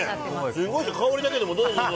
すごいですよ、香りだけでもどうぞ、どうぞ。